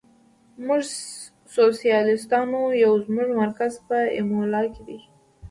موږ سوسیالیستان یو، زموږ مرکز په ایمولا کې دی.